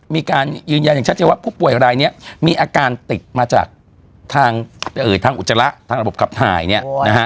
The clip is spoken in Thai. มีการยืนยันอย่างชัดเจนว่าผู้ป่วยรายนี้มีอาการติดมาจากทางอุจจาระทางระบบขับถ่ายเนี่ยนะฮะ